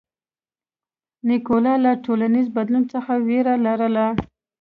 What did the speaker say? نیکولای له ټولنیز بدلون څخه وېره لرله.